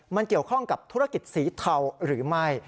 มันเกี่ยวข้องกับธุรกิจสีเทาหรือไม่